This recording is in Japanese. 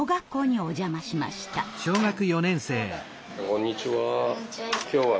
こんにちは。